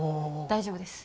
大丈夫です。